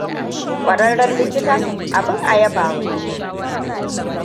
Ƙwararren likitan abin a yabawa ne.